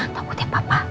takut ya bapak